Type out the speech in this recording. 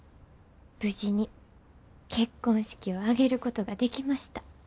無事に結婚式を挙げることができました。